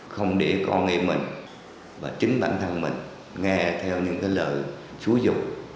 không để con người mình và chính bản thân mình nghe theo những cái lời phú dụng